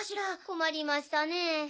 困りましたねぇ。